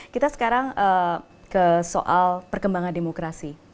kita sekarang ke soal perkembangan demokrasi